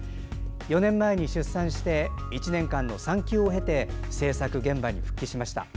４年前に出産して１年間の産休を経て制作現場に復帰しました。